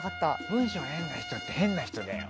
文章変な人って変な人だよ。